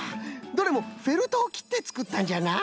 どれもフェルトをきってつくったんじゃな。